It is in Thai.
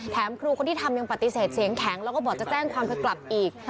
ครูคนที่ทำยังปฏิเสธเสียงแข็งแล้วก็บอกจะแจ้งความเธอกลับอีก